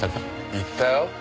言ったよ。